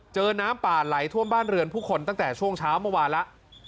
น้ำป่าไหลท่วมบ้านเรือนผู้คนตั้งแต่ช่วงเช้าเมื่อวานแล้ว